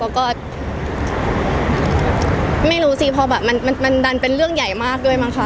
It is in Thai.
แล้วก็ไม่รู้สิเพราะแบบมันดันเป็นเรื่องใหญ่มากด้วยมั้งค่ะ